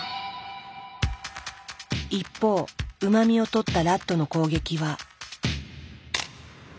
一方うま味をとったラットの攻撃は。